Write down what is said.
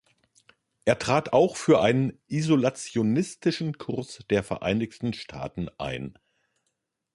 Er trat auch für einen isolationistischen Kurs der Vereinigten Staaten ein.